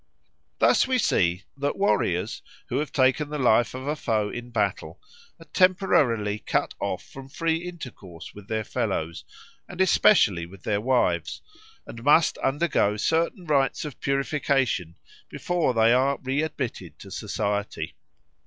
Thus we see that warriors who have taken the life of a foe in battle are temporarily cut off from free intercourse with their fellows, and especially with their wives, and must undergo certain rites of purification before they are readmitted to society.